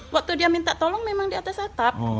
waktu dia minta tolong memang di atas atap